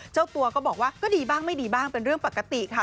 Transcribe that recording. เจ้าตัวก็บอกว่าก็ดีบ้างไม่ดีบ้างเป็นเรื่องปกติค่ะ